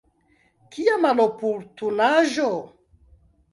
Kia maloportunaĵo!